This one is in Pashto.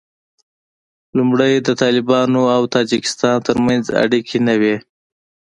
لومړی د طالبانو او تاجکستان تر منځ اړیکې نه وې